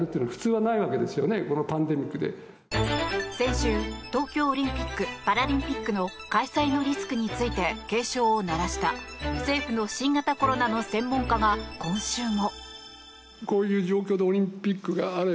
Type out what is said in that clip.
先週、東京オリンピック・パラリンピックの開催のリスクについて警鐘を鳴らした政府の新型コロナの専門家は今週も。